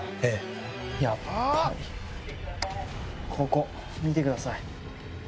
ここ見てください。